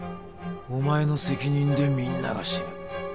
お前の責任でみんなが死ぬ。